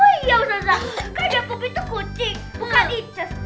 oh iya usah usah kan yang empuk itu kucing bukan incis